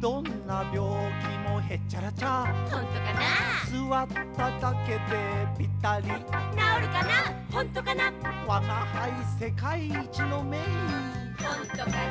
どんなびょうきもへっちゃらちゃほんとかなすわっただけでぴたりなおるかなほんとかなわがはいせかいいちのめいいほんとかな？